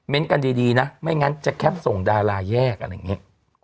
กันดีนะไม่งั้นจะแคปส่งดาราแยกอะไรอย่างนี้